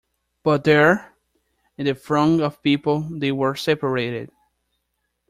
But there, in the throng of people, they were separated.